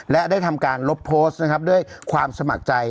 และได้ทำการลบโพสต์นะครับด้วยความสมัครใจ